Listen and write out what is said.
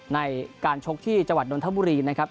ในการชกที่จังหวัดนทบุรีนะครับ